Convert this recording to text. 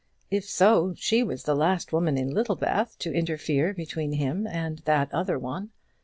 If so, she was the last woman in Littlebath to interfere between him and that other one.